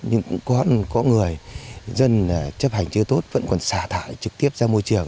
nhưng cũng có người dân chấp hành chưa tốt vẫn còn xả thải trực tiếp ra môi trường